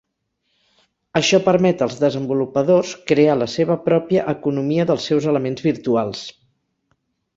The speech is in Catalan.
Això permet als desenvolupadors crear la seva pròpia economia dels seus elements virtuals.